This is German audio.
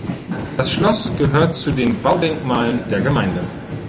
Das Schloss gehört zu den Baudenkmalen der Gemeinde.